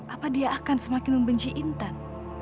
apa dia akan semakin membenci intan